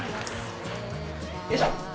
よいしょ。